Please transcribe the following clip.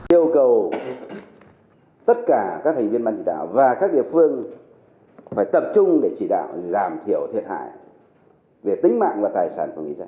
yêu cầu tất cả các thành viên ban chỉ đạo và các địa phương phải tập trung để chỉ đạo giảm thiểu thiệt hại về tính mạng và tài sản của người dân